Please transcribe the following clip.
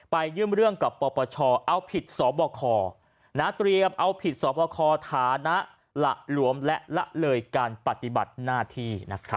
ไปยื่นเรื่องกับปปชเอาผิดสบคเตรียมเอาผิดสอบคอฐานะหละหลวมและละเลยการปฏิบัติหน้าที่